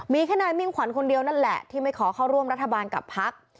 มีแค่นายมิ่งขวัญคนเดียวนั่นแหละที่ไม่ขอเข้าร่วมรัฐบาลกับพัก